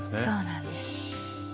そうなんです。